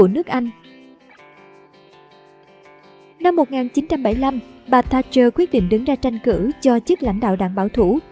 năm một nghìn chín trăm bảy mươi năm bà thatcher quyết định đứng ra tranh cử cho chức lãnh đạo đảng bảo thủ